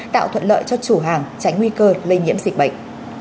tạo thuận lợi cho chủ hàng tránh nguy cơ lây nhiễm dịch bệnh